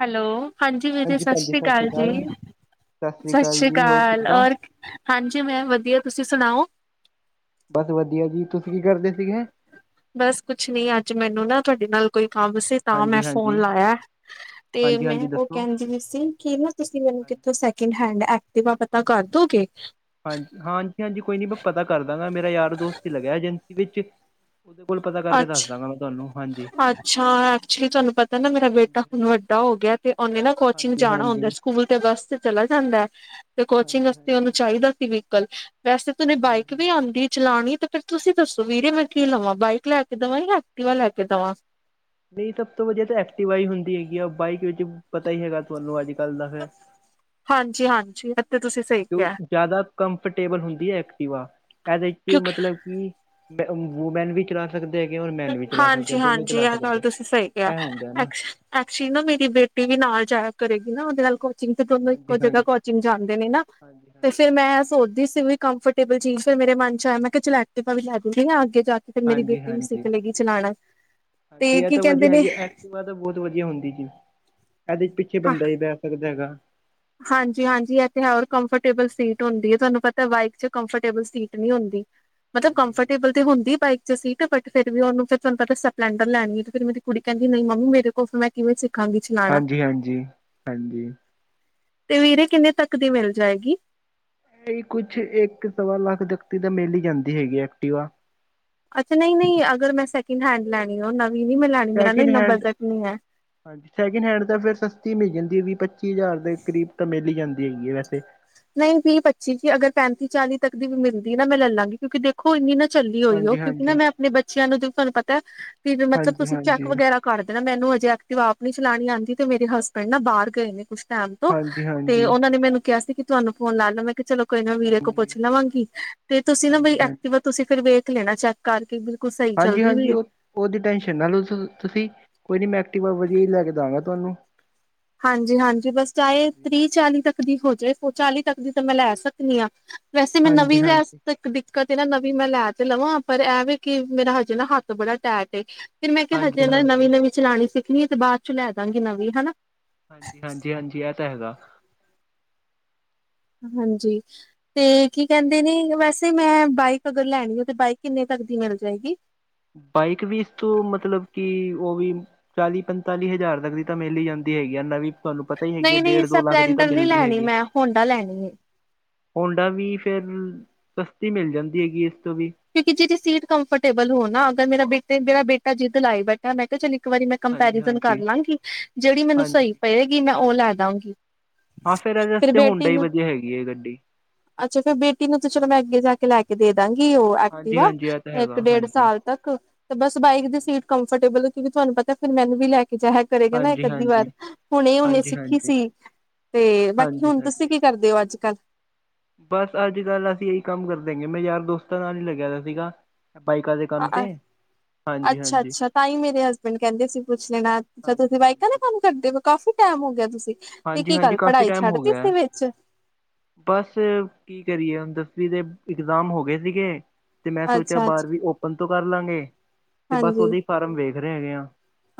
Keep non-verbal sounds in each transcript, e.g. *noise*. Hello, ਹਾਂਜੀ ਵੀਰ ਜੀ, ਸਤਿ ਸ਼੍ਰੀ ਅਕਾਲ ਜੀ। ਸਤਿ ਸ੍ਰੀ ਅਕਾਲ ਔਰ ਹਾਂਜੀ ਮੈਮ ਵਧੀਆ ਤੁਸੀਂ ਸੁਣਾਓ। ਬਸ ਵਧੀਆ ਜੀ, ਤੁਸੀਂ ਕੀ ਕਰਦੇ ਸੀਗੇ? ਬਸ ਕੁੱਛ ਨੀ, ਅੱਜ ਮੈਨੂੰ ਨਾ ਤੁਹਾਡੇ ਨਾਲ ਕੋਈ ਕੰਮ ਸੀ ਤਾਂ ਮੈਂ ਹਾਂਜੀ ਫੋਨ ਹਾਂਜੀ ਲਾਇਆ ਤੇ ਹਾਂਜੀ ਮੈਂ ਹਾਂਜੀ ਉਹ ਦੱਸੋ ਕਹਿੰਦੀ ਪਈ ਸੀ ਕੀ ਨਾ ਤੁਸੀਂ ਮੈਨੂੰ ਕਿੱਥੋਂ ਹਾਂਜੀ ਸੈਕਿੰਡ ਹੈਂਡ ਐਕਟਿਵਾ ਪਤਾ ਕਰ ਦੋਗੇ? ਹਾਂਜੀ-ਹਾਂਜੀ, ਹਾਂਜੀ ਕੋਈ ਨੀ ਮੈਂ ਪਤਾ ਕਰ ਦਾਂਗਾ ਮੇਰਾ ਯਾਰ ਦੋਸਤ ਹੀ ਲੱਗਿਆ ਏਜੰਸੀ ਵਿੱਚ। ਉਹਦੇ ਕੋਲ ਪਤਾ ਕਰਕੇ ਅੱਛਾ ਦੱਸ ਦਾਂਗਾ ਮੈਂ ਤੁਹਾਨੂੰ। ਹਾਂਜੀ ਅੱਛਾ ਐਕਚੁਲੀ ਤੁਹਾਨੂੰ ਪਤਾ ਨਾ ਮੇਰਾ ਹਾਂਜੀ ਬੇਟਾ ਹੁਨ ਵੱਡਾ ਹੋ ਗਿਆ ਤੇ ਉਹਨੇ ਨਾ ਕੋਚਿੰਗ ਹਾਂਜੀ ਜਾਨਾ ਜਾਨਾ ਹੁੰਦਾ ਹਾਂਜੀ ਹਾਂਜੀ ਸਕੂਲ ਤੇ ਬੱਸ ਤੇ ਚਲਾ ਜਾਂਦਾ ਐ। ਤੇ ਕੋਚਿੰਗ ਵਾਸਤੇ ਹਾਂਜੀ ਉਹਨੂੰ ਚਾਹੀਦਾ ਸੀ ਵਹੀਕਲ, ਵੈਸੇ ਤਾਂ ਉਹਨੇ ਬਾਈਕ ਵੀ ਹਾਂ ਆਂਦੀ ਚਲਾਣੀ ਤੇ ਫਿਰ ਤੁਸੀਂ ਦੱਸੋ ਵੀਰੇ ਮੈਂ ਕੀ ਲਵਾਂ ਬਾਈਕ ਲੈ ਕੇ ਦਵਾਂ? ਜਾਂ ਐਕਟੀਵਾ ਲੈ ਕੇ ਦਵਾਂ। ਨਹੀਂ ਸਭ ਤੋਂ ਵਧੀਆ ਤਾਂ ਐਕਟਿਵਾਈ ਹੁੰਦੀ ਹੈਗੀ ਆ, ਬਾਈਕ ਵਿੱਚ ਪਤਾ ਹੀ ਹੈਗਾ ਤੁਹਾਨੂੰ ਐ ਹਾਂਜੀ-ਹਾਂਜੀ। ਜ਼ਿਆਦਾ ਕੰਫਰਟੇਬਲ ਹੁੰਦੀ ਐ ਐਕਟਿਵਾ, ਇਹਦੇ ਵਿੱਚ ਕਿਉਂਕਿ ਮਤਲਬ ਕਿ ਵੂਮੈਨ ਵੀ ਚਲਾ ਸਕਦਾ ਐ। ਹਾਂਜੀ-ਹਾਂਜੀ, ਐ ਗੱਲ ਆ, ਤੁਸੀਂ ਸਹੀ ਕਿਹਾ, ਇਹ ਹੁੰਦਾ ਨਾ ਐਕ ਐਕਚੀ ਨਾ ਮੇਰੀ ਬੇਟੀ ਵੀ ਨਾਲ ਜਾਇਆ ਕਰੇਗੀ ਨਾ ਉਹਦੇ ਨਾਲ ਚਿੰਗ ਤੇ ਦੋਨੂੰ ਹਾਂਜੀ ਇੱਕੋ ਹਾਂਜੀ ਜਗ੍ਹਾ ਕੋਚਿੰਗ ਜਾਂਦੇ ਨੇ ਨਾ ਹਾਂਜੀ ਤੇ ਫੇਰ ਹਾਂਜੀ ਮੈਂ ਸੋਚਦੀ ਸੀ ਵੀ ਕੰਫਰ ਟੇਬਲ ਚੀਜ਼ ਫਿਰ ਮੇਰੇ ਮਨ 'ਚ ਆਇਆ ਮੈਂ ਕਿਹਾ ਚਲ ਐਕਟਵਾ ਵੀ ਲੈ ਦਿਨੀ ਆਂ ਅੱਗੇ ਜਾ ਕੇ ਫਿਰ ਮੇਰੀ ਹਾਂਜੀ ਬੇਟੀ ਵੀ ਸਿੱਖ ਹਾਂਜੀ ਲਏਗੀ ਚਲਾਣਾ ਤੇ ਇਹ ਕੀ ਤਾਂ ਕਹਿੰਦੇ ਵਧੀਆ ਨੇ ਹੈਗੀ, ਐਕਟਿਵਾ ਤੇ ਬਹੁਤ ਵਧੀਆ ਹੁੰਦੀ ਜੀ। ਇਹਦੇ 'ਚ ਪਿੱਛੇ ਬੰਦਾ ਵੀ ਬਹਿ ਸਕਦਾ ਹੈਗਾ। ਹਾਂਜੀ-ਹਾਂਜੀ ਐ ਤੇ ਹੈ ਹੋਰ ਹਾਂਜੀ ਕੰਫਰਟੇਬਲ ਸੀਟ ਹੁੰਦੀ ਹੈ ਤੁਹਾਨੂੰ ਪਤਾ ਬਾਈਕ 'ਚ ਕੰਫਰਟੇਬਲ ਸੀਟ ਨੀ ਹੁੰਦੀ ਮਤਲਬ ਹਾਂਜੀ ਕੰਫਰਟੇਬਲ ਤੇ ਹਾਂਜੀ ਹੁੰਦੀ ਬਾਈਕ ਤੇ ਸੀਟ ਤੇ ਬਟ ਫਿਰ ਵੀ ਉਹਨੂੰ ਫਿਰ ਤੁਹਾਨੂੰ ਪਤਾ ਸਪਲੈਂਡਰ ਲੈਣੀ ਐ ਫਿਰ ਮੇਰੀ ਕੁੜੀ ਕਹਿੰਦੀ ਨਹੀਂ ਮੰਮੀ ਮੇਰੇ ਕੋ ਮੈਂ ਕਿਵੇਂ ਸਿਕ ਹਾਂਜੀ-ਹਾਂਜੀ, ਹਾਂਜੀ। ਤੇ ਵੀਰੇ ਕਿੰਨੇ ਤੱਕ ਦੀ ਮਿਲ ਜਾਏਗੀ? ਇਹੀ ਕੁਛ ਇੱਕ ਸਵਾ ਲੱਖ ਤੱਕ ਦੀ ਤਾਂ ਮਿੱਲ ਹੀ ਜਾਂਦੀ ਹੈਗੀ ਐਕਟੀਵਾ। ਅੱਛਾ ਨਈ-ਨਈ ਅਗਰ ਮੈਂ ਸੈਕਿੰਡ ਹੈਂਡ ਲੈਣੀ ਉਹ ਨੀ ਮੈਂ ਲੈਣੀ ਮੇਰਾ ਨਾ ਸੈਕਿੰਡ ਇੰਨਾ ਹੈਂਡ, ਬਜਟ ਨਹੀਂ ਹੈ ਹਾਂਜੀ, ਸੈਕਿੰਡ ਹੈਂਡ ਤੇ ਫੇਰ ਸਸਤੀ ਮਿਲ ਜਾਂ ਵੀਹ ਪੱਚੀ ਹਜ਼ਾਰ ਦੇ ਕਰੀਬ ਤਾਂ ਮਿਲ ਈ ਜਾਂਦੀ ਹੈਗੀ ਐ ਵੈਸੇ। ਨਈ ਵੀਹ-ਪੱਚੀ ਕਿ ਅਗਰ ਪੈਂਤੀ ਚਾਲੀ ਤੱਕ ਦੀ ਵੀ ਮਿਲਦੀ ਨਾ, ਮੈਂ ਲੈ ਲਾਂਗੀ ਕਿਉਂਕਿ ਦੇਖੋ ਇੰਨੀ ਨਾ ਚੱਲੀ ਹੋਈ ਉਹ ਹਾਂਜੀ ਕਿਉਂਕਿ ਨਾ ਹਾਂਜੀ ਮੈਂ ਆਪਣੇ ਬੱਚਿਆਂ ਨੂੰ ਤੁਹਾਨੂੰ ਪਤਾ ਫੇਰ ਮਤਲਬ ਹਾਂਜੀ ਤੁਸੀਂ ਚੈੱਕ ਹਾਂਜੀ ਵਗੈਰਾ ਕਰਦੇ ਨਾ ਮੈਨੂੰ ਅਜੇ ਐਕਟਿਵਾ ਆਪ ਨੀ ਚਲਾਨੀ ਆਂਦੀ ਤੇ ਮੇਰੇ ਹਸਬੈਂਡ ਨਾ ਬਾਹਰ ਗਏ ਨੇ ਕੁੱਛ ਟਾਈਮ ਤੋਂ ਹਾਂਜੀ ਹਾਂਜੀ ਤੇ ਹਾਂਜੀ ਉਹਨਾਂ ਨੇ ਮੈਨੂੰ ਕਿਹਾ ਸੀ ਕਿ ਤੁਹਾਨੂੰ ਫੋਨ ਲਾ ਲਓ ਮੈਂ ਕਿਹਾ ਚਲੋ ਕੋਈ ਨਾ ਵੀਰੇ ਕੋਲ ਪੁੱਛ ਲਵਾਂਗੀ ਤੇ ਤੁਸੀਂ ਨਾ ਬਈ ਹਾਂਜੀ ਹਾਂਜੀ ਐਕਟਿਵਾ ਤੁਸੀਂ ਫਿਰ ਵੇਖ ਲੈਨਾ ਚੈੱਕ ਕਰ ਕੇ ਹਾਂਜੀ-ਹਾਂਜੀ ਉਹ, ਉਹਦੀ ਟੈਨਸ਼ਨ ਨਾ ਲਉ ਤੂ ਤੁਸੀਂ ਕੋਈ ਨੀ ਮੈਂ ਐਕਟੀਵਾ ਵਧੀਆ ਹੀ ਲੈ ਕੇ ਦਾਂਗਾ ਤੁਹਾਨੂੰ। ਹਾਂਜੀ-ਹਾਂਜੀ ਬਸ ਚਾਹੇ ਹਾਂਜੀ ਤ੍ਰੀ-ਚਾਲੀ ਤੱਕ ਦੀ ਹੋ ਜਾਏ ਸੋ ਚਾਲੀ ਤੱਕ ਦੀ ਤਾਂ ਮੈਂ ਲੈ ਸਕਨੀ ਆ। ਵੈਸੇ ਮੈਂ ਹਾਂਜੀ ਨਵੀਂ ਲੈ ਹਾਂਜੀ ਦਿੱਕਤ ਏ ਨਾ, ਨਵੀਂ ਮੈਂ ਲੈ ਤੇ ਲਵਾਂ ਪਰ ਐ ਵੇ ਕਿ ਮੇਰਾ ਹਜੇ ਨਾ ਹੱਥ ਬੜਾ ਟੈਟ ਏ। ਫਿਰ ਮੈਂ ਕਿਹਾ ਹਜੇ ਹਾਂਜੀ ਨਾ ਹਾਂਜੀ ਨਵੀਂ-ਨਵੀ ਚਲਾਨੀ ਸਿੱਖਣੀ ਏ ਤੇ ਬਾਅਦ ਚੋਂ ਲੈ ਦਵਾਂਗੀ ਨਵੀਂ ਹਨਾ। ਹਾਂਜੀ-ਹਾਂਜੀ-ਹਾਂਜੀ ਐ ਤਾਂ ਹੈਗਾ। ਹਾਂਜੀ, ਤੇ ਕੀ ਕਹਿੰਦੇ ਨੇ? ਵੈਸੇ ਮੈਂ ਬਾਈਕ ਅਗਰ ਲੈਣੀ ਆ ਤੇ ਬਾਈਕ ਕਿੰਨੇ ਤ ਤਕ ਦੀ ਮਿਲ ਜਾਏਗੀ? ਬਾਈਕ ਵੀ ਇਸ ਤੋਂ ਮਤਲਬ ਕਿ ਉਹ ਵੀ ਚਾਲੀ ਪੰਤਾਲੀ ਹਜ਼ਾਰ ਤੱਕ ਦੀ ਤਾਂ ਮਿਲੀ ਜਾਂਦੀ ਹੈਗੀ ਆ ਨਵੀਂ। ਤੁਹਾਨੂੰ ਪਤਾ ਈ ਹੈਗੀ ਏ, ਨਹੀਂ-ਨਹੀਂ ਡੇਢ ਦੋ ਲੱਖ ਦੀ ਤਾਂ ਸਪਲੈਂਡਰ ਨਹੀਂ ਮਿਲਦੀ ਲੈਣੀ ਹੈਗੀ। ਮੈਂ ਹੋਂਡਾ ਲੈਣੀ ਹੈ। ਹੋਂਡਾ ਵੀ ਫੇਰ, ਸਸਤੀ ਮਿਲ ਜਾਂਦੀ ਹੈਗੀ ਏ। ਕਿਉਂਕਿ ਜਿਹਦੀ ਸੀਟ ਕੰਫਰਟੇਬਲ ਹੋ ਨਾ ਅਗਰ, ਮੇਰਾ ਬੇੇਟੇ, ਮੇਰਾ ਬੇਟਾ ਜਿੱਦ ਲਾਈ ਬੈਠਾ, ਮੈਂ ਕਿਹਾ ਚਲ ਇੱਕ ਵਾਰੀ ਮੈਂ ਹਾਂਜੀ ਕੰਪੈਰੀਜ਼ਨ ਕਰ ਹਾਂਜੀ ਲਾਂਗੀ, ਜਿਹੜੀ ਮੈਨੂੰ ਸਈ ਹਾਂਜੀ ਪਏਗੀ, ਮੈਂ ਉਹ ਲੈ ਦਾਂਗੀ। ਹਾਂ ਫੇਰ ਇਹਦੇ ਫਿਰ ਆਸਤੇ, ਬੇਟੀ ਹੋਂਡਾ ਹੀ ਨੂੰ ਵਧੀਆ ਹੈਗੀ ਏ ਗੱਡੀ। ਅੱਛਾ ਫੇਰ ਬੇਟੀ ਨੂੰ ਤੇ ਚਲੋ ਮੈਂ ਹਾਂਜੀ ਅੱਗੇ ਜਾ ਕੇ ਲੈ ਕੇ ਦੇ ਦਾਂਗੀ। ਉਹ ਹਾਂਜੀ ਐਕਟੀਵਾ ਹਾਂਜੀ ਇਹ ਤਾਂ ਇੱਕ ਹੈਗਾ ਡੇਢ ਹਾਂਜੀ ਸਾਲ ਤੱਕ, ਤੇ ਬਸ ਬਾਈਕ ਹਾਂਜੀ ਦੀ ਹਾਂਜੀ ਸੀਟ ਕੰਫਰਟੇਬਲ ਏ, ਕਿਉਂਕਿ ਤੁਹਾਨੂੰ ਪਤਾ ਤਾਂ ਫਿਰ ਮੈਨੂੰ ਵੀ ਲੈ ਕੇ ਜਾਇਆ ਕਰੇਗਾ ਨਾ ਇੱਕ ਹਾਂਜੀ ਹਾਂਜੀ ਅੱਧੀ ਵਾਰ, ਹੁਣੇ ਉਹਨੇ ਹਾਂਜੀ ਸਿੱਖੀ ਹਾਂਜੀ ਸੀ। ਤੇ ਬਾਕੀ ਹਾਂਜੀ ਹੁਣ ਤੁਸੀਂ ਕੀ ਹਾਂਜੀ ਕਰਦੇ ਹੋ ਅੱਜ ਕੱਲ? ਬਸ ਅੱਜ ਕੱਲ੍ਹ ਅਸੀਂ ਇਹੀ ਕੰਮ ਕਰਦੇ ਹੈਗੇ। ਮੈਂ ਯਾਰ ਦੋਸਤਾਂ ਨਾਲ ਈ ਲੱਗਿਆ ਦਾ ਸੀਗਾ। ਬਾਈਕਾਂ ਦੇ ਕੰਮ ਅ-ਅ, ਤੇ ਹਾਂਜੀ ਹਾਂਜੀ ਅੱਛਾ-ਅੱਛਾ ਤਾਂ ਈ ਮੇਰੇ ਹਸਬੈਂਡ ਕਹਿੰਦੇ ਸੀ ਪੁੱਛ ਲੈਣਾ। ਅੱਛਾ ਹਾਂਜੀ ਤੁਸੀਂ ਬਾਈਕਾਂ ਦਾ ਕੰਮ ਕਰਦੇ ਹੋ? ਕਾਫੀ ਟਾਈਮ ਹੋ ਗਿਆ ਤੁਸੀਂ ਤੇ ਕੀ ਹਾਂਜੀ-ਹਾਂਜੀ ਗੱਲ ਕਾਫ਼ੀ ਪੜ੍ਹਾਈ ਟਾਈਮ ਹੋ ਛੱਡਤੀ ਗਿਆ ਸੀ ਐ, ਵਿੱਚ ਬਸ ਕੀ ਕਰੀਏ ਹੁਣ ਦੱਸ ਦਸਵੀ ਦੇ ਇਗਜ਼ਾਮ ਹੋ ਗਏ ਸੀਗੇ। ਤੇ ਮੈਂ ਸੋਚਿਆ ਅੱਛਾ-ਅੱਛਾ ਬਾਰਵੀਂ ਓਪਨ ਤੋਂ ਕਰ ਲਾਂਗੇ। ਤੇ ਬਸ ਹਾਂਜੀ। ਉਹਦੇ ਹੀ ਫਾਰਮ ਵੇਖ ਰਹੇ ਹੈਗੇ ਆ।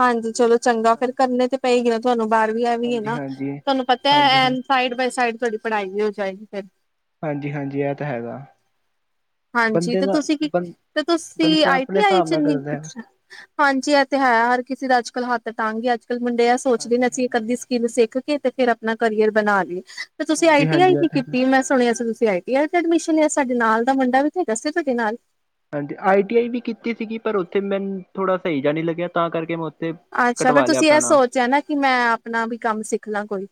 ਹਾਂਜੀ ਚਲੋ ਚੰਗਾ, ਫੇਰ ਹਾਂਜੀ, ਕਰਨੇ ਤੇ ਪਏਗੀ ਨਾ ਤੁਹਾਨੂੰ ਬਾਰਵੀ, ਆ ਵੀ ਏ ਨਾ। ਹਾਂਜੀ-ਹਾਂਜੀ, ਹਾਂਜੀ ਤੁਹਾਨੂੰ ਪਤਾ ਐ, ਹਾਂਜੀ ਹਾਂ, ਐਨ ਸਾਈਡ ਬਾਏ ਸਾਈਡ, ਤੁਹਾਡੀ ਪੜ੍ਹਾਈ ਵੀ ਹੋ ਜਾਏਗੀ ਫਿਰ। ਹਾਂਜੀ-ਹਾਂਜੀ ਇਹ ਤਾਂ ਹੈਗਾ। ਹਾਂਜੀ ਬੰਦੇ ਤੇ ਦਾ ਤੁਸੀਂ ਕੀ, ਬੰ ਤੇ ਤੁਸੀਂ ਬੰਦਾ ਆਈ ਆਪਣੇ ਟੀ ਆਈ ਹਿਸਾਬ ਚ ਨਾਲ ਕਰਦਾ ਹੈਗਾ। ਹਾਂਜੀ ਏਹ ਤੇ ਹੈ, ਹਰ ਕਿਸੀ ਦਾ ਅੱਜ ਕੱਲ ਹੱਥ ਤੰਗ ਐ, ਅੱਜ ਕੱਲ ਮੁੰਡੇ ਏਹ ਸੋਚਦੇ ਨੇ ਅਸੀਂ ਇੱਕ ਹਾਂਜੀ-ਹਾਂਜੀ, ਅੱਧੀ ਸਕਿੱਲ ਸਿੱਖ ਕੇ ਤੇ ਫਿਰ ਆਪਣਾ ਕਰੀਅਰ ਬਣਾ ਲਈਏ, ਤੇ ਤੁਸੀਂ ਆਈ ਟੀ ਹਾਂਜੀ-ਹਾਂਜੀ ਆਈ ਇਹ ਕੀ ਤਾਂ ਹੈਗਾ। ਕੀਤੀ ਏ, ਮੈਂ ਸੁਣਿਆ ਸੀ ਤੁਸੀ ਤੁਸੀਂ ਆਈ ਟੀ ਆਈ ਤੇ ਐਡਮਿਸ਼ਨ ਲਿਆ? ਸਾਡੇ ਨਾਲ ਦਾ ਮੁੰਡਾ ਵੀ ਤੇ ਹੈਗਾ ਸੀ ਤੁਹਾਡੇ ਨਾਲ। ਹਾਂਜੀ, ਆਈ ਟੀ ਆਈ ਵੀ ਕੀਤੀ ਸੀਗੀ, ਪਰ ਉੱਥੇ ਮੈਨੂੰ ਥੋੜ੍ਹਾ ਸਈ ਜਿਹਾ ਨੀ ਲੱਗਿਆ, ਤਾਂ ਕਰਕੇ ਮੈਂ ਉੱਥੇ ਅੱਛਾ ਫਿਰ ਕਟਵਾ ਲਿਆ ਤੁਸੀਂ ਆਪਣਾ ਇਹ ਨਾਮ ਸੋਚਿਆ ਹੋਨਾ, ਕਿ ਮੈਂ ਆਪਣਾ ਵੀ ਕੰਮ ਸਿੱਖ ਲਾਂ ਕੋਈ?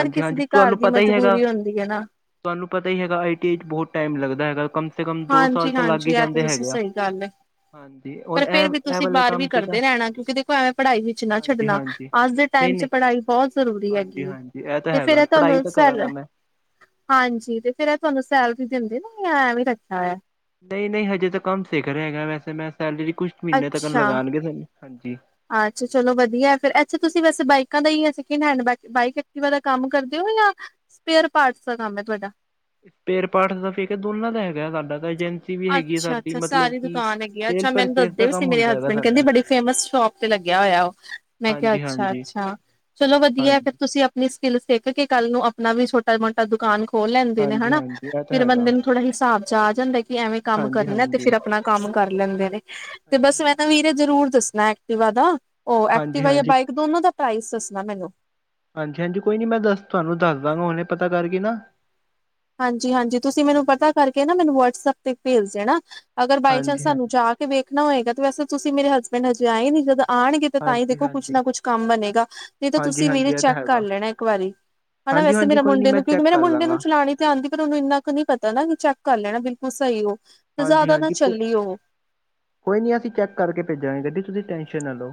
ਹਰ ਕਿਸੇ ਦੀ ਘਰ ਤੁਹਾਨੂੰ ਦੀ ਪਤਾ ਹੀ ਹੈਗਾ, ਮਜਬੂਰੀ ਹੁੰਦੀ ਹੈ ਨਾ ਤੁਹਾਨੂੰ ਪਤਾ ਹੀ ਹੈਗਾ, ਆਈ ਟੀ ਆਈ ਚ ਬਹੁਤ ਟਾਈਮ ਲੱਗਦਾ ਐ। ਹਾਂਜੀ-ਹਾਂਜੀ ਇਹ ਤੇ ਤੁਸੀ, ਹੈਗੇ ਆ। ਸਹੀ ਗੱਲ ਐ। ਹਾਂਜੀ ਪਰ ਔਰ ਇਹ ਫੇਰ ਵੀ ਇਹ ਤੁਸੀਂ ਵਾਲੇ ਬਾਰਵੀ ਕੰਮ ਤੇ ਤਾਂ ਕਰਦੇ ਰਹਿਣਾ, ਕਿਉਂਕਿ ਦੇਖੋ ਐਵੇਂ ਪੜ੍ਹਾਈ ਵਿੱਚ ਨਾ ਛੱਡਣਾ। ਹਾਂਜੀ-ਹਾਂਜੀ ਅੱਜ ਦੇ ਟ ਟੈਮ ਚ ਨਹੀਂ-ਨਹੀਂ ਪੜ੍ਹਾਈ ਬਹੁਤ ਜ਼ਰੂਰੀ ਹਾਂਜੀ ਹੈਗੀ ਏ। ਹਾਂਜੀ ਇਹ ਤਾਂ ਤੇ ਫਿਰ ਹੈਗਾ ਏਹ ਪੜ੍ਹਾਈ ਤੁਹਾਨੂੰ ਤਾਂ ਸੈਲ, ਕਰਾਂਗਾ ਮੈਂ ਹਾਂਜੀ ਤੇ ਫਿਰ ਏਹ ਤੁਹਾਨੂੰ ਸੈਲਰੀ ਦਿੰਦੇ ਨੇ ਯਾ ਐ ਵੀ ਰੱਖਿਆ ਹੋਇਆ? ਨਈ-ਨਈ ਹਜੇ ਤੇ ਕੰਮ ਸਿੱਖ ਰਿਹਾ ਹੈਗਾ। ਵੈਸੇ ਮੈਂ ਸੈਲਰੀ ਕੁੱਛਕ ਮਹੀਨੇ ਤੱਕਨ ਅੱਛਾ। ਲਗਾਉਣਗੇ *unintelligible* ਹਾਂਜੀ। ਅੱਛਾ ਚਲੋ ਵਧੀਆ ਏ ਫੇਰ, ਅੱਛਾ ਤੁਸੀਂ ਵੈਸੇ ਬਾਈਕਾਂ ਦਾ ਈ ਯਾ ਸੇਕਿੰਡ ਹੈਡ ਬਾ ਬਾਇਕ ਐਕਟਿਵਾ ਦਾ ਕੰਮ ਕਰਦੇ ਹੋ? *unintelligible* ਸਪੇਅਰ ਪਾਰਟਸ ਦਾ ਕੰਮ ਹੈ ਤੁਹਾਡਾ? ਪੇਅਰ ਪਾਠ ਦਾ ਫੇਕ ਏ, ਦੋਨਾਂ ਦਾ ਹੈਗਾ ਏ ਸਾਡਾ ਤਾਂ, ਏਜੰਸੀ ਵੀ ਹੈਗੀ ਆ ਸਾਡੀ ਅੱਛਾ-ਅੱਛਾ ਮਤਲਬ ਸਾਰੀ ਕਿ ਦੁਕਾਨ ਹੈਗੀ ਆ ਸੇਲ ਅੱਛਾ ਮੈਨੂੰ ਪਰਚੇਸ ਦੱਸਦੇ ਦਾ ਬਏ ਸੀ ਕੰਮ ਮੇਰੇ ਹੁੰਦਾ ਹੈਗਾ ਹਸਬੈਂਡ, ਕਹਿੰਦੇ ਸਾਡਾ ਬੜੀ ਫੇਮਸ ਸ਼ੋਪ ਤੇ ਲੱਗਿਆ ਹੋਇਆ ਉਹ, ਮੈਂ ਕਿਹਾ ਹਾਂਜੀ ਹਾਂਜੀ ਅੱਛਾ-ਅੱਛਾ। ਚਲੋ ਵਧੀਆ ਏ ਹਾਂਜੀ ਫਿਰ ਤੁਸੀਂ ਆਪਣੀ ਸਕਿੱਲਸ ਦੇਖ ਲੋ, ਕਿਉਂਕਿ ਕੱਲ ਨੂੰ ਅਪਣਾ ਵੀ ਛੋਟਾ ਮੋਟਾ ਦੁਕਾਨ ਖੋਲ ਲੈਂਦੇ ਨੇ, ਹਾਂਜੀ ਹਨਾ। ਹਾਂਜੀ ਇਹ ਤਾਂ ਫ਼ਿਰ ਹੈਗਾ ਬੰਦੇ ਨੂੰ ਥੋੜਾ ਹਿਸਾਬ ਚ ਆ ਜਾਂਦਾ ਹੈ ਕਿ ਕਿ ਐਵੇਂ ਕੰਮ ਹਾਂਜੀ ਕਰਨਾ ਏ, ਤੇ ਹਾਂਜੀ ਫਿਰ ਅਪਣਾ ਕੰਮ ਕਰ ਲੈਂਦੇ ਨੇ। ਤੇ ਹਾਂਜੀ ਹਾਂਜੀ ਬਸ ਮੈਂ ਤਾਂ ਹਾਂਜੀ ਵੀਰੇ ਜ਼ਰੂਰ ਦੱਸਣਾ ਏ। ਟਿਵਾ ਦਾ, ਉਹ ਹਾਂਜੀ ਐਕਟਿਵਾ ਯਾ ਬਾਈਕ ਦੋਨਾਂ ਦਾ ਪ੍ਰਾਈਸ ਦੱਸਣਾ ਮੈਨੂੰ? ਹਾਂਜੀ-ਹਾਂਜੀ ਕੋਈ ਨੀ, ਮੈਂ ਦੱਸ ਤੁਹਾਨੂੰ ਦੱਸ ਦਾਂਗਾ, ਹੁਨੇ ਪਤਾ ਕਰਕੇ ਨਾ। ਹਾਂਜੀ-ਹਾਂਜੀ ਤੁਸੀਂ ਮੈਨੂੰ ਪਤਾ ਹਾਂਜੀ ਕਰਕੇ ਨਾ, ਮੈਨੂੰ ਵਟਸਐਪ ਤੇ ਭੇਜ਼ ਦੇਣਾ। ਅਗਰ ਬਾਈ ਚਾਂਸ ਹਾਂਜੀ ਸਾਨੂੰ ਹਾਂਜੀ ਜਾ ਕੇ ਵੇਖਣਾ ਹੋਏਗਾ, ਤੇ ਵੈਸੇ ਤੁਸੀਂ ਮੇਰੇ ਹਸਬੈਂਡ ਹਜੇ ਆਏ ਨੀ ਜਦ ਆਣਗੇ ਤੇ ਤਾਂ ਹੀ ਹਾਂਜੀ ਦੇਖੋ ਕੁਛ ਹਾਂਜੀ ਨਾ ਕੁਛ ਕੰਮ ਬਣੇਗਾ, ਨਹੀਂ ਤਾਂ ਹਾਂਜੀ ਤੁਸੀਂ ਵੀਰੇ ਹਾਂਜੀ ਇਹ ਤਾਂ ਚੈੱਕ ਕਰ ਹੈਗਾ ਲੈਣਾ ਇੱਕ ਵਾਰੀ। ਹਨਾ, ਹਾਂਜੀ ਵੈਸੇ ਹਾਂਜੀ ਮੇਰੇ ਕੋਈ ਨੀ ਮੁਡੇ ਮੈਂ ਨੂੰ, ਕਿਉਂਕਿ ਚੈੱਕ ਮੇਰੇ ਕਰ ਮੁੰਡੇ ਲਾਂਗਾ ਨੂੰ ਚਲਾਣੀ *unintelligible* ਉਹਨੂੰ ਇੰਨਾ ਕੁ ਨੀ ਪਤਾ ਨਾ ਕਿ, ਚੈੱਕ ਕਰ ਲੈਣਾ ਬਿਲਕੁਲ ਸਹੀ ਉਹ ਤੇ ਜ਼ਿਆਦਾ ਨਾ ਹਾਂਜੀ-ਹਾਂਜੀ, ਚੱਲੀ ਉਹ ਕੋਈ ਨੀ ਅਸੀਂ ਚੈੱਕ ਕਰਕੇ ਭੇਜਾਂਗੇ, ਗੱਡੀ ਤੁਸੀਂ ਟੈਂਸ਼ਨ ਨਾ ਲੋ,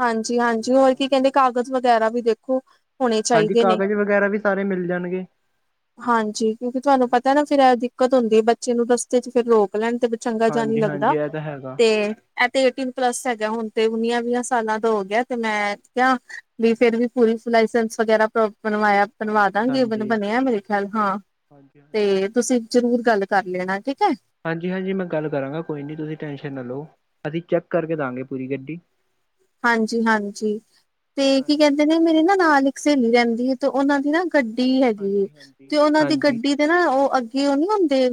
ਹਾਂਜੀ-ਹਾਂਜੀ, ਹੋਰ ਕੀ ਕਹਿੰਦੇ ਕਾਗਜ਼ ਵਗੈਰਾ ਵੀ ਦੇਖੋ। ਹੋਣੇ ਹਾਂਜੀ, ਚਾਹੀਦੇ ਨੇ। ਕਾਗਜ਼ ਵਗੈਰਾ ਵੀ ਸਾਰੇ ਮਿਲ ਜਾਣਗੇ। ਹਾਂਜੀ, ਕਿਉਂਕਿ ਤੁਹਾਨੂੰ ਹਾਂਜੀ ਪਤਾ ਨਾ ਫੇਰ ਇਹ ਦਿੱਕਤ ਹੁੰਦੀ ਹੈ ਬੱਚੇ ਨੂੰ ਰਸਤੇ ਚ ਫਿਰ ਰੋਕ ਲੈਣ। ਤੇ ਫੇਰ ਚੰਗਾ ਜਾ ਨੀ ਹਾਂਜੀ ਹਾਂਜੀ ਲੱਗਦਾ ਇਹ ਤਾਂ ਹੈਗਾ ਤੇ ਇਹ ਤੇ ਏਟੀਨ ਪਲੱਸ ਹੈਗਾ ਹੁਣ ਤੇ ਉਨਿਆਂ ਵੀਹਾ। ਸਾਲਾਂ ਦਾ ਹੋ ਗਿਆ, ਤੇ ਮੈਂ ਕਿਹਾ ਵੀ ਫੇਰ ਵੀ *unintelligible* ਲਾਇਸੈਂਸ ਵਗੈਰਾ ਬਣਵਾਇਆ ਬਣਵਾ ਹਾਂਜੀ ਦਾਂਗੇ ਬਣ ਹਾਂਜੀ ਬਣਿਆ ਮੇਰੇ ਖਿਆਲ, ਹਾਂ ਹਾਂਜੀ ਹਾਂਜੀ ਤੇ ਤੁਸੀਂ ਜ਼ਰੂਰ ਗੱਲ। ਕਰ ਲੈਣਾ ਠੀਕ ਹੈ। ਹਾਂਜੀ-ਹਾਂਜੀ, ਮੈਂ ਗੱਲ ਕਰਾਂਗਾ ਕੋਈ ਨਹੀਂ ਤੁਸੀਂ ਟੈਸ਼ਨ ਨਾ ਲਓ ਅਸੀਂ ਚੈੱਕ ਕਾਰਕੇ ਦਾਂਗੇ ਪੂਰੀ ਗੱਡੀ। ਹਾਂਜੀ-ਹਾਂਜੀ, ਤੇ ਕੀ ਹਾਂਜੀ ਕਹਿੰਦੇ ਨੇ ਮੇਰੇ ਨਾ ਨਾਲ ਇੱਕ ਸਹੇਲੀ ਰਹਿੰਦੀ ਹੈ ਤੇ ਉਹਨਾਂ ਦੀ ਨਾ ਗੱਡੀ ਹੈਗੀ, ਹਾਂਜੀ ਹਾਂਜੀ ਤੇ ਉਹਨਾਂ ਦੀ ਹਾਂਜੀ ਗੱਡੀ ਦੇ ਨਾ ਉਹ ਅੱਗੇ ਉਹ ਨੀ ਹੁੰਦੇ।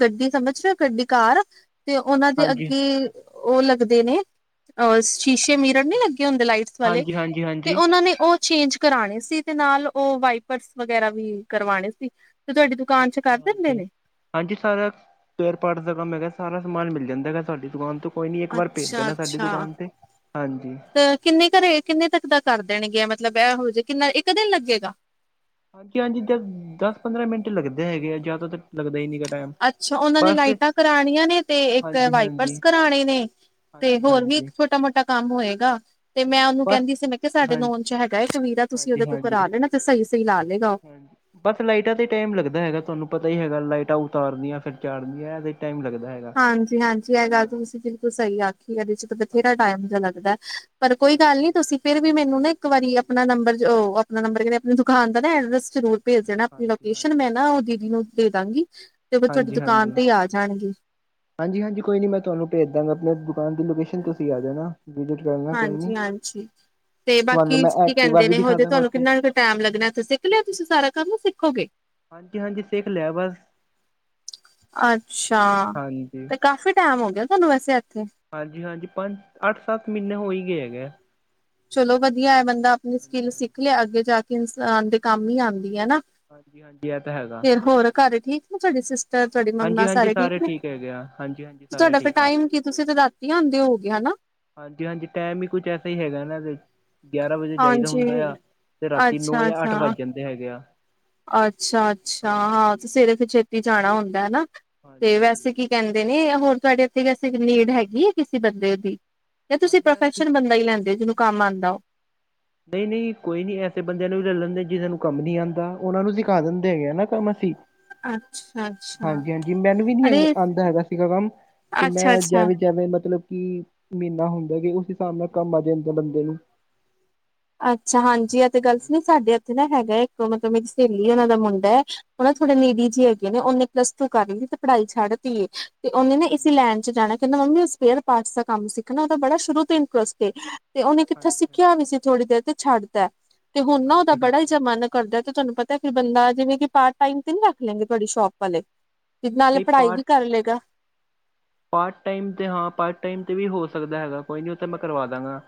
ਗੱਡੀ ਸਮਝ ਰੇਓ ਗੱਡੀ ਕਾਰ ਤੇ ਉਹਨਾਂ ਦੇ ਹਾਂਜੀ ਅੱਗੇ, ਉਹ ਲੱਗਦੇ ਨੇ ਅ ਸ਼ੀਸ਼ੇ ਮਿਰਨ ਨੀ ਲੱਗੇ। ਹੁੰਦੇ ਲਾਈਟਸ ਵਾਲੇ ਹਾਂਜੀ ਹਾਂਜੀ ਤੇ ਹਾਂਜੀ ਉਹਨਾਂ ਨੇ ਉਹ ਚੇਂਜ ਕਰਾਣੇ ਸੀ, ਤੇ ਨਾਲ ਉਹ ਵਾਈਪਰਸ ਵਗੈਰਾ ਵੀ ਕਰਵਾਣੇ ਸੀ। ਤੁਹਾਡੀ ਦੁਕਾਨ ਚ ਕਰ ਅੱਛਾ ਦਿੰਦੇ ਨੇ? ਹਾਂਜੀ-ਹਾਂਜੀ, ਸਾਰਾ ਸਪੈਰ ਪਾਰਟ ਦਾ ਕੰਮ ਹੈਗਾ। ਸਾਰਾ ਸਮਾਨ ਮਿਲ ਜਾਂਦਾ ਹੈਗਾ, ਸਾਡੀ ਦੁਕਾਨ ਤੋਂ ਕੋਈ ਨਹੀਂ ਇੱਕ ਵਾਰ ਭੇਜ ਦੇਣਾ ਸਾਡੀ ਅੱਛਾ-ਅੱਛਾ, ਦੁਕਾਨ 'ਤੇ ਹਾਂਜੀ ਤੇ ਕਿੰਨੇ ਘਰੇ ਕਿੰਨੇ ਤੱਕ ਦਾ ਕਰ, ਦੇਣਗ ਮਤਲਬ ਏ ਹੋਜੇ ਕਿੰਨਾ ਇੱਕ ਦਿਨ ਲੱਗੇਗਾ। ਹਾਂਜੀ-ਹਾਂਜੀ, ਦ ਦਸ ਪੰਦਰਾਂ ਮਿੰਟ ਲੱਗਦੇ ਹੈਗੇ, ਆ ਜ਼ਿਆਦਾ ਤੇ ਲੱਗਦੇ ਨੀ *unintelligible* ਅੱਛਾ ਉਹਨਾਂ ਨੇ ਬਸ ਲਾਈਟਾਂ ਕਰਾਉਣੀਆਂ, ਨੇ ਤੇ ਇੱਕ ਹਾਂਜੀ-ਹਾਂਜੀ, ਵਾਈਪਰਸ ਕਰਾਣੇ ਨੇ। ਤੇ ਹੋਰ ਵੀ ਹਾਂਜੀ-ਹਾਂਜੀ ਇੱਕ ਛੋਟਾ ਮੋਟਾ ਕੰਮ ਹੋਏਗਾ, ਤੇ ਮੈਂ ਉਹਨੂੰ ਬਸ ਕਹਿੰਦੀ ਸੀ ਮੈਂ ਕਿਹਾ ਸਾਡੇ ਹਾਂਜੀ, ਨੋਨ ਚ ਹੈਗਾ ਇੱਕ ਵੀਰ। *unintelligible* ਤੁਸੀਂ ਉਹਦੇ ਕੋਲ ਹਾਂਜੀ-ਹਾਂਜੀ, ਹਾਂਜੀ ਕਰਾ ਲੇ ਨਾ ਤੇ ਸਹੀ ਹਾਂਜੀ, ਬਸ ਲਾਈਟਾਂ ਤੇ ਟੈਮ ਲੱਗਦਾ ਹੈਗਾ ਤੁਹਾਨੂੰ ਪਤਾ। ਹੀ ਹੈਗਾ ਲਾਈਟਾਂ ਉਤਾਰਨਿਆਂ ਫਿਰ ਚਾੜਨੀਆਂ ਇਹ ਤੇ, ਹਾਂਜੀ-ਹਾਂਜੀ, ਇਹ ਗਾੱਲ ਤੇ ਤੁਸੀਂ ਹਾਂਜੀ, ਬਿਲਕੁਲ ਸਹੀ ਆਖੀ ਇਹਦੇ ਚ ਤੇ ਬਥੇਰਾ ਹਾਂਜੀ, ਟੈਮ ਤੇ ਲੱਗਦਾ। ਪਰ ਕੋਈ ਗੱਲ ਨੀ ਹਾਂਜੀ-ਹਾਂਜੀ, ਤੁਸੀਂ ਫੇਰ ਵੀ ਮੈਨੂੰ ਨਾ, ਇੱਕ ਵਾਰੀ ਆਪਣਾ ਨੰਬਰ ਉਹ ਆਪਣਾ ਨੰਬਰ ਕਹਿੰਦੇ, ਆਪਣੀ ਦੁਕਾਨ ਦਾ ਨਾ ਐਡਰੈਸ ਜ਼ਰੂਰ। ਭੇਜ ਦੇਣਾ ਆਪਣੀ ਲੋਕੇਸ਼ਨ ਹਾਂਜੀ-ਹਾਂਜੀ, ਮੈਂ ਨਾ ਉਹ ਦੀਦੀ ਨੂੰ ਦੇ ਦਾਂਗੀ, ਤੇ ਤੁਹਾਡੀ ਦੁਕਾਨ ਹਾਂਜੀ-ਹਾਂਜੀ, ਤੇ ਹੀ ਆ ਜਾਣਗੇ। ਹਾਂਜੀ-ਹਾਂਜੀ, ਕੋਈ ਨੀ ਮੈਂ ਤੁਹਾਨੂੰ ਭੇਜ ਦਾਂਗਾ, ਆਪਣੇ ਦੁਕਾਨ ਦੀ ਲੋਕੇਸ਼ਨ ਤੁਸੀਂ ਆ ਜਾਨਾ। ਹਾਂਜੀ-ਹਾਂਜੀ, ਤੇ ਤੁਹਾਨੂੰ ਬਾਕੀ ਮੈਂ ਕੀ ਐਕਟਿਵਾ ਕਹਿੰਦੇ ਵੀ ਨੇ, ਦਿਖਾ ਹਜੇ ਦਾਂਗਾ ਤੁਹਾਨੂੰ ਉੱਥੇ ਕਿੰਨਾ ਕੁ ਟਾਈਮ ਲੱਗਣਾ ਤੇ ਸਿੱਖ ਲਿਆ ਤੁਸੀਂ ਸਾਰਾ ਕਰ ਸਿੱਖ ਹਾਂਜੀ-ਹਾਂਜੀ, ਸਿੱਖ ਲਿਆ ਬਸ ਅੱਛਾ ਹਾਂਜੀ ਤੇ ਕਾਫੀ ਟਾਈਮ ਹੋ ਗਿਆ, ਤੁਹਾਨੂੰ ਵੈਸੇ ਇੱਥੇ। ਹਾਂਜੀ-ਹਾਂਜੀ, ਪੰਜ ਅੱਠ ਸੱਤ ਮਹੀਨੇ ਹੋ ਹੀ ਗਏ ਹੈਗੇ ਆ। ਚਲੋ ਵਧੀਆ ਹੈ, ਬੰਦਾ ਆਪਣੀ ਸਕਿੱਲ ਸਿੱਖ ਹਾਂਜੀ। ਲਿਆ ਅੱਗੇ ਜਾ ਕੇ ਇਨਸਾਨ ਦੇ ਕੰਮ ਹੀ ਆਦੇ। ਨਾ ਹਾਂਜੀ ਹਾਂਜੀ ਇਹ ਤਾਂ ਹੈਗਾ ਫੇਰ ਹੋਰ ਘਰ ਠੀਕ ਨਾ ਤੁਹਡੇ ਸਿਸ, ਤੇ ਤੁਹਾਡੀ ਹਾਂਜੀ ਮੰਮਾ ਹਾਂਜੀ ਸਾਰੇ ਠੀਕ ਨੇ? ਹੈਗੇ ਆ ਹਾਂਜੀ ਹਾਂਜੀ ਸਾਰੇ ਤੁਹਾਡਾ ਫੇਰ ਠੀਕ ਆ। ਟਾਈਮ ਕੀ ਤੁਸੀਂ ਤੇ ਰਾਤੀ ਆਉਂਦੇ ਹੋਗੇ ਹਨਾ। ਹਾਂਜੀ-ਹਾਂਜੀ, ਟਾਈਮ ਹੀ ਕੁਝ ਐਸਾ ਹੀ ਹੈਗਾ ਇਹਨਾਂ ਦੇ। ਗਿਆਰਾਂ ਵਜੇ ਜਾਈਦਾ ਹਾਂਜੀ। ਹੁੰਦਾ, ਆ ਤੇ ਰਾਤੀ ਨੌ ਜਾਂ ਅੱਠ ਵੱਜ ਜਾਂਦੇ ਹੈਗੇ ਆ। ਅੱਛਾ-ਅੱਛਾ, ਹਾਂਜੀ ਹਾਂ ਤੇ ਹਾਂਜੀ। ਸਵੇਰੇ ਫੇਰ ਛੇਤੀ ਜਾਣਾ ਹੁੰਦਾ ਹਨਾ। ਤੇ ਹਾਂਜੀ ਹਾਂਜੀ ਵੈਸੇ ਕੀ ਹਾਂਜੀ ਕਹਿੰਦੇ ਨੇ ਹੋਰ ਤੁਹਾਡੇ, ਨੀਡ ਹੈਗੀ ਹੈ, ਕਿਸੇ ਬੰਦੇ ਦੀ ਜਾਂ ਤੁਸੀਂ ਹਾਂਜੀ ਪ੍ਰੋਫੈਸ਼ਨਲ ਬੰਦਾ ਹੀ ਲੈਂਦੇ ਜਿਹਨੂੰ ਕੰਮ ਆਦਾ ਉਹ ਨਹੀਂ-ਨਹੀਂ, ਕੋਈ ਨਹੀਂ ਐਸੇ ਬੰਦਿਆਂ ਨੂੰ ਵੀ ਲੈ ਲੈਂਦੇ ਜਿਹਨਾਂ ਨੂੰ ਕੰਮ ਨੀ ਆਦਾ, ਉਹਨਾਂ ਨੂੰ ਸਿਖਾ ਦਿੰਦੇ ਹੈਗੇ ਨਾ ਕੰਮ ਅਸੀਂ ਅੱਛਾ, ਅੱਛਾ ਹਾਂਜੀ-ਹਾਂਜੀ, ਮੈਨੂੰ ਵੀ ਨੀ ਅੰ ਅਰੇ ਆਦਾ ਹੈਗਾ ਸੀਗਾ ਕੰਮ। ਤੇ ਮੈਂ ਅੱਛਾ, ਅੱਛਾ। ਜਿਵੇਂ ਜਿਵੇਂ ਮਤਲਬ, ਕੀ ਮਹੀਨਾ ਹੁੰਦਾ ਕਿ ਉਸ ਹਿਸਾਬ ਨਾਲ ਕੰਮ ਆ ਜਾਂਦਾ ਬੰਦੇ ਨੂੰ ਅੱਛਾ ਹਾਂਜੀ ਆ ਤੇ ਗੱਲਸ, ਹਾਂਜੀ ਨਈ ਸਾਡੇ ਇੱਥੇ ਨਾ ਹੈਗਾ ਐ, ਇੱਕ ਮਤਲਬ ਮੇਰੀ ਸਹੇਲੀ ਉਹਨਾ ਦਾ ਮੁੰਡਾ ਐ ਉਹ ਨਾ ਥੋੜੇ ਨੀਡੀ ਹਾਂਜੀ ਜੇ ਹੈਗੇ ਨੇ, ਓਨੇ ਪਲੱਸ ਟੂ ਕਰ ਲਈ ਤੇ ਪੜਾਈ ਛੱਡ ਤੀ ਏ। ਤੇ ਉਹਨੇ ਨਾ ਹਾਂਜੀ ਹਾਂਜੀ ਹਾਂਜੀ ਇਸੀ ਲੈਣ ਚ ਜਾਣਾ, ਕਹਿੰਦਾ ਮੰਮੀ ਉਸ ਸਪੇਅਰ ਪਾਰਟਸ ਦਾ ਕੰਮ ਸਿੱਖਣਾ। ਉਹਦਾ ਬੜਾ ਸ਼ੁਰੂ ਤੋਂ ਇੰਟਰਸਟ ਏ, ਉਹਨੇ ਕਿੱਥੇ ਹਾਂਜੀ ਸਿੱਖਿਆ ਵੀ ਸੀ। ਥੋੜ੍ਹੀ ਤੇ ਛੱਡਤੈ, ਹੁਣ ਨਾ ਉਹਦਾ ਹਾਂਜੀ ਬੜਾ ਹਾਂਜੀ ਜਿਹਾ ਮਨ ਕਰਦੈ ਤਾਨੂੰ ਪਤਾ ਐ ਕੋਈ ਬੰਦਾ, ਜਿਵੇਂ ਕਿ ਪਾਰਟ ਟਾਈਮ ਤੇ ਨੀ ਰੱਖ ਲੈਂਨ ਗੇ, ਤੁਹਾਡੀ ਸ਼ੋਪ ਵਾਲੇ। ਤੇ ਨਾਲੇ ਨਹੀਂ ਪੜ੍ਹਾਈ ਵੀ ਪਾਰਟ ਕਰ ਲੇਗਾ। ਪਾਰਟ ਟਾਈਮ ਤੇ ਹਾਂ ਪਾਰਟ ਟਾਈਮ ਤੇ ਵੀ ਹੋ ਸਕਦੈ ਹੈਗਾ, ਕੋਈ ਨੀ ਉਹ ਮੈਂ ਕਰਵਾ ਦਾਂਗਾ।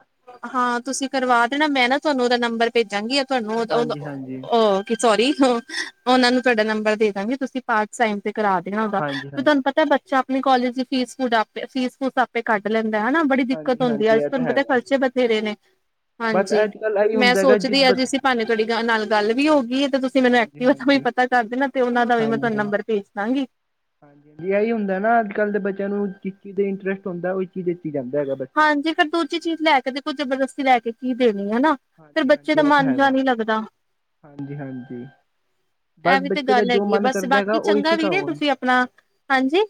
ਹਾਂ ਤੁਸੀਂ ਕਰਵਾ ਦੇਣਾ, ਮੈਂ ਨਾ ਤੁਹਾਨੂੰ ਉਹਦਾ ਨੰਬਰ ਭੇਜਾਂਗੀ। ਤੁਆਨੂੰ ਓਂਦਾ-ਓਂਦਾ, ਹਾਂਜੀ ਹਾਂਜੀ ਓਅ ਕ ਸੋਰੀ। ਉਹਨਾਂ ਨੂੰ ਤੁਹਾਡਾ ਨੰਬਰ ਦੇ ਦਾਂਗੀ, ਤੁਸੀਂ ਪਾਰਟ ਟਾਈਮ ਤੇ ਕਰਾ ਦੇਣਾ ਉਹਦਾ। ਹਾਂਜੀ ਤੇ ਤੁਹਾਨੂੰ ਪਤਾ ਏ ਬੱਚਾ ਆਪਣੇ ਕੋਲੇਜ ਦੀ ਫੀਸ ਫੂਡ ਆਪੇ, ਫੀਸ ਫੂਸ ਆਪੇ ਕੱਢ ਲੈਂਦਾ ਐ, ਹਨਾ। ਬੜੀ ਦਿੱਕਤ ਹਾਂਜੀ ਹਾਂਜੀ ਹੁੰਦੀ ਐ, ਹਾਂਜੀ ਅੱਜ ਇਹ ਤਾਂ ਤੁਹਾਨੂੰ ਪਤਾ ਐ ਹੈਗਾ ਤੇ ਬਥੇਰੇ ਨੇ ਬਸ ਹਾਂਜੀ। ਅੱਜ ਕੱਲ ਇਹੀ ਮੈਂ ਹੁੰਦਾ ਹੈਗਾ ਜਿਸ ਸੋਚਦੀ ਬ ਅੱਜ ਈਸੀ ਭਾਨੇ ਥੋੜੀ ਗੱਲ ਨਾਲ ਗੱਲ ਵੀ ਹਾਂਜੀ ਹੋ ਗੀ ਹਾਂਜੀ ਏ ਤੇ ਤੁਸੀਂ ਮੈਨੂੰ ਹਾਂਜੀ ਐਕਟਿਵਾ ਹਾਂਜੀ ਪਤਾ ਕਰ ਦੇਨਾ, ਤੇ ਉਹਨਾ ਦਾ ਵੀ ਮੈਂ ਹਾਂਜੀ ਤੁਆਨੂੰ ਹਾਂਜੀ ਨੰਬਰ ਭੇਜ ਦਾਂਗੀ। ਹਾਂਜੀ, ਹਾਂਜੀ। ਐਈ ਹੁੰਦਾ ਨਾ ਅੱਜ ਕੱਲ੍ਹ ਦੇ ਬੱਚਿਆਂ ਨੂੰ ਜਿਸ ਚੀਜ਼ ਦਾ ਇੰਟਰਸਟ ਹੁੰਦੈ, ਉਹੀ ਚੀਜ਼ ਦਿੱਤੀ ਜਾਂਦੀ। ਹਾਂਜੀ ਫਿਰ ਦੂਜੀ ਚੀਜ਼ ਲੈ ਕੇ ਦੇ, ਕੋਈ ਜਬਰਦਸਤੀ ਲੈ ਕੇ ਕੀ ਦੇ ਹਨਾ ਫਿਰ ਹਾਂਜੀ ਬੱਚੇ ਹਾਂਜੀ ਦਾ ਇਹ ਤਾਂ ਮਨ ਜਾ ਹੈਗਾ ਨੀ ਲੱਗਦਾ। ਹਾਂਜੀ ਹਾਂਜੀ ਬਸ ਐਹ ਵੀ ਤੇ ਬੱਚੇ ਦਾ ਗੱਲ ਜੋ ਹੈਗੀ ਐ। ਮਨ ਬਸ ਕਰਦਾ ਹੈਗਾ ਬਾਕੀ ਉਹੀ ਚੰਗਾ ਸਿਖਾਓ ਵੀਰੇ ਉਹਨੂੰ। ਤੁਸੀਂ ਆਪਣਾ, ਹਾਂਜੀ।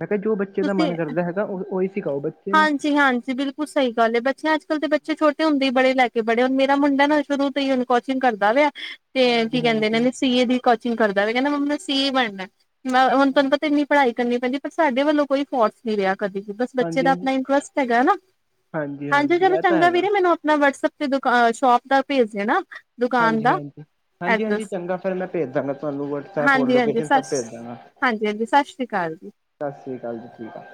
ਮੈਂ ਕਿਆ ਜੋ ਬੱਚੇ ਦਾ ਤੁਸੀਂ ਮਨ ਕਰਦਾ ਹੈਗਾ, ਉਹ ਓਹੀ ਹਾਂਜੀ ਹਾਂਜੀ ਬਿਲਕੁਲ ਸਹੀ ਗੱਲ ਏ। ਬੱਚੇ ਅੱਜ ਕੱਲ੍ਹ ਦੇ, ਬੱਚੇ ਛੋਟੇ ਹੁੰਦੇ ਈ ਬੜੇ ਲੈ ਕੇ ਬੜੇ। ਹੁਨ ਮੇ ਮੁੰਡਾ ਨਾ ਸ਼ੁਰੂ ਤੋਂ ਹੀ ਕੋਚਿੰਗ ਕਰਦਾ ਵੇਆ, ਤੇ ਹਾਂਜੀ ਕੀ ਕੈਂਦੇ ਹਾਂਜੀ ਨੇ ਨਾ, ਸੀ ਏ ਦੀ ਕੋਚਿੰਗ ਕਰਦਾ ਨਾਲੇ ਕੈਂਦਾ ਮੰਮਾ ਮੈਂ ਸੀ ਏ ਬਣਨਾ ਐ। ਮੈਂ ਹੁਣ ਤੁਆਨੂੰ ਹਾਂਜੀ ਪਤਾ ਇੰਨੀ ਹਾਂਜੀ ਪੜ੍ਹਾਈ ਕਰਨੀ ਪੈਂਦੀ। ਪਰ ਸਾਡੇ ਵੱਲੋਂ ਕੋਈ ਫੋਰਸ ਨਹੀਂ ਰਿਹਾ ਕਦੇ ਵੀ, ਬਸ ਹਾਂਜੀ ਜਿਦਾ ਆਪਣਾ ਹਾਂਜੀ ਇੰਟਰਸਟ ਹੈਗਾ ਐ ਨਾ, ਹਾਂਜੀ ਚਲੋ ਇਹ ਤਾਂ ਚੰਗਾ ਹੈਗਾ ਵੀਰੇ ਮੈਨੂੰ ਆਪਣਾ ਵਟਸਐਪ ਦੁਕਾ-ਸ਼ੋਪ ਦਾ ਭੇਜ ਦੇਣਾ ਦੁਕਾਨ ਹਾਂਜੀ ਦਾ ਹਾਂਜੀ। ਹਾਂਜੀ ਹਾਂਜੀ, ਐਡਰੈਸ ਚੰਗਾ ਫਿਰ ਮੈਂ ਭੇਜ ਦਾਂਗਾ ਤੁਆਨੂੰ ਵਟਸਐਪ ਔਰ ਹਾਂਜੀ ਹਾਂਜੀ ਲੋਕੇਸ਼ਨ ਸਭ ਭੇਜ ਸਤਿ ਦਾਂਗਾ। ਹਾਂਜੀ ਹਾਂਜੀ, ਸਤਿ ਸ਼੍ਰੀ ਕਾਲ ਜੀ। ਸਸ੍ਰੀ ਕਾਲ ਜੀ, ਠੀਕ ਆ।